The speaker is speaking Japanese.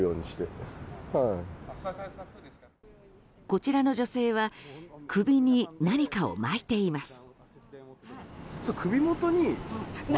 こちらの女性は首に何かを巻いています。